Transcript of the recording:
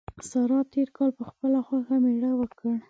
سارا تېر کال په خپله خوښه مېړه وکړ.